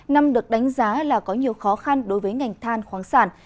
năm được đánh giá là có nhiều khó khăn đối với ngành than khoáng sản